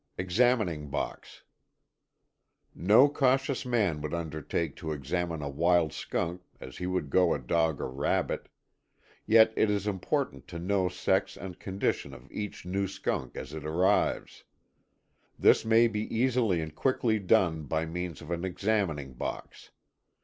11.ŌĆöExamining Box. No cautious man would undertake to examine a wild skunk as he would a dog or rabbit. Yet it is important to know sex and condition of each new skunk as it arrives. This may be easily and quickly done by means of an examining box.